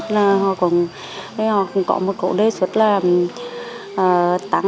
nên họ cũng có một câu đề xuất là